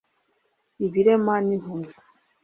ibirema n'impumyi